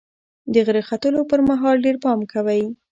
د غره ختلو پر مهال ډېر پام کوئ.